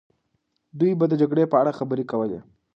دوی به د جګړې په اړه خبرې کولې.